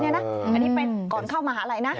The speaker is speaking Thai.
อันนี้เป็นก่อนเข้ามหาลัยนะ